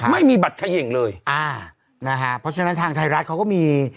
ไม่มีบัตรเขย่งเลยอ่านะฮะเพราะฉะนั้นทางไทยรัฐเขาก็มี